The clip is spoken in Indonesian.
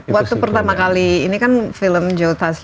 waktu pertama kali ini kan film joe tasli